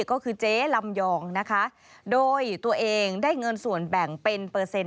ก็คือเจ๊ลำยองนะคะโดยตัวเองได้เงินส่วนแบ่งเป็นเปอร์เซ็นต